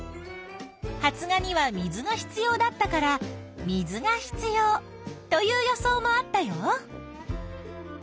「発芽には水が必要だったから水が必要」という予想もあったよ。